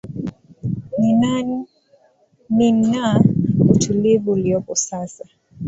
ni na utulivu uliopo sasa